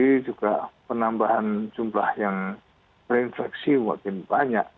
jadi juga penambahan jumlah yang berinfeksi makin banyak